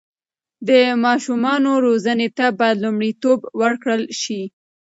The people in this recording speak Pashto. د ماشومانو روزنې ته باید لومړیتوب ورکړل سي.